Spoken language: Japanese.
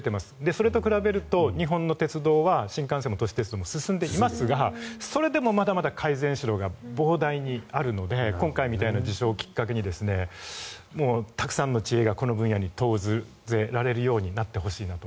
それと比べると日本の鉄道は新幹線も都市鉄道も進んでいますがそれでもまだまだ改善しろが膨大にあるので今回みたいな事象をきっかけにたくさんの知恵がこの分野に投じられるようになってほしいなと。